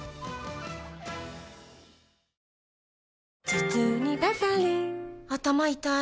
頭痛にバファリン頭痛い